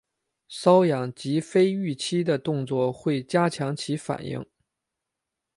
搔痒及非预期的动作会加强其反应。